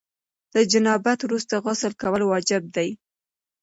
له جنابت وروسته غسل کول واجب دي.